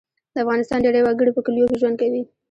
د افغانستان ډیری وګړي په کلیو کې ژوند کوي